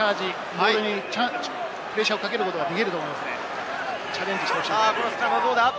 ボールにプレッシャーをかけることができると思います。